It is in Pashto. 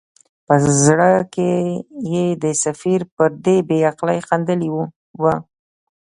په زړه کې یې د سفیر پر دې بې عقلۍ خندلي وه.